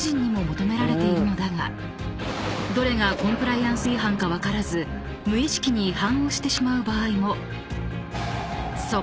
［どれがコンプライアンス違反か分からず無意識に違反をしてしまう場合も］